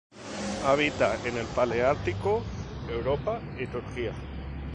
Habita en el paleártico: Europa y Turquía.